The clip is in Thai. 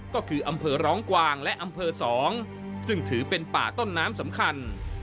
ก็คืออำเภอร้องกวางและอำเภอ๒ซึ่งถือเป็นป่าต้นน้ำสำคัญ